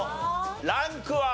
ランクは？